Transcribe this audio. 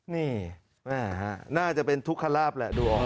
นี่น่าจะเป็นทุกข้าราฟแหละดูออก